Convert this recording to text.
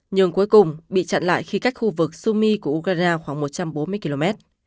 nhưng cuối cùng bị chặn lại khi cách khu vực sumi của ukraine khoảng một trăm bốn mươi km